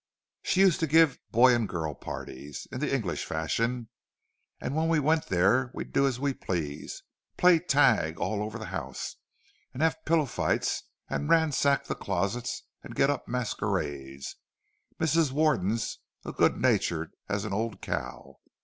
She used to give 'boy and girl' parties, in the English fashion; and when we went there we'd do as we please—play tag all over the house, and have pillow fights, and ransack the closets and get up masquerades! Mrs. Warden's as good natured as an old cow.